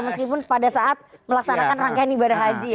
meskipun pada saat melaksanakan rangkaian ibadah haji ya